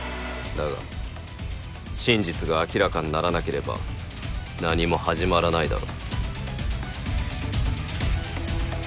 だが真実が明らかにならなければ何も始まらないだろ。